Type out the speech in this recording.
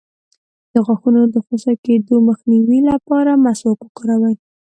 د غاښونو د خوسا کیدو مخنیوي لپاره مسواک وکاروئ